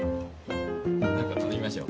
何か頼みましょう。